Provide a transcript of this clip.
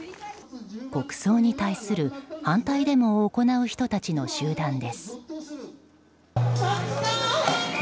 国葬に対する反対デモを行う人たちの集団です。